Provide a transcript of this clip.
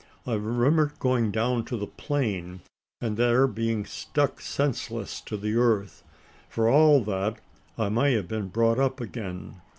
I remember going down to the plain; and there being struck senseless to the earth. For all that, I may have been brought up again.